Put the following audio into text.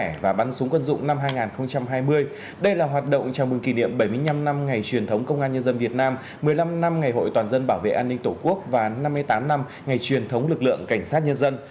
và bắn súng quân dụng năm hai nghìn hai mươi đây là hoạt động chào mừng kỷ niệm bảy mươi năm năm ngày truyền thống công an nhân dân việt nam một mươi năm năm ngày hội toàn dân bảo vệ an ninh tổ quốc và năm mươi tám năm ngày truyền thống lực lượng cảnh sát nhân dân